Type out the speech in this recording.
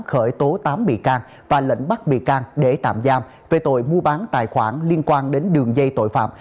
khởi tố tám bị can và lệnh bắt bị can để tạm giam về tội mua bán tài khoản liên quan đến đường dây tội phạm